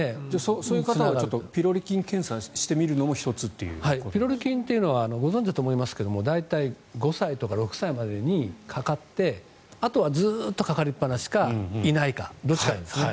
そういう方はピロリ菌検査をしてみるのもピロリ菌というのはご存じだと思いますが大体、５歳とか６歳の時にかかってあとはずっとかかりっぱなしかいないか、どっちかなんですね。